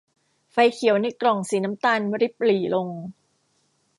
ไฟเขียวในกล่องสีน้ำตาลริบหรี่ลง